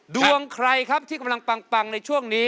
ดวงใครครับที่กำลังปังในช่วงนี้